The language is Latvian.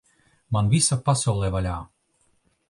Man visa pasaule vaļā!